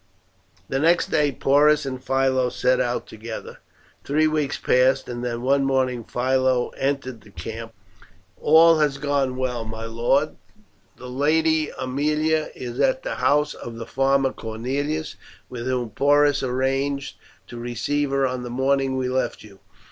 The next day Porus and Philo set out together. Three weeks passed, and then one morning Philo entered the camp. "All has gone well, my lord, the Lady Aemilia is at the house of the farmer Cornelius, with whom Porus arranged to receive her on the morning we left you.